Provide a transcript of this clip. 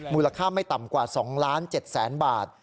มูลค่าไม่ต่ำกว่า๒๗๐๐๐๐๐บาท